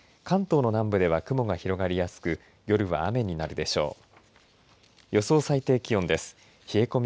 関東の南部では雲が広がりやすく夜は雨になるでしょう。